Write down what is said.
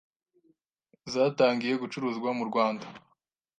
zatangiye gucuruzwa mu Rwanda